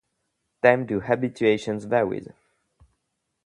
Time to habituation varies.